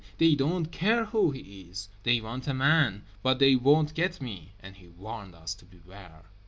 They don't care who he is; they want a man. But they won't get me!" And he warned us to beware.